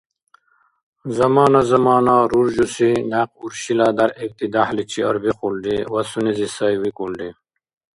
Замана–замана руржуси някъ уршила дяргӏибти дяхӏличи арбихулри ва сунези сай викӏулри: